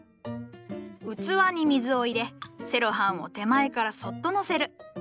器に水を入れセロハンを手前からそっとのせる。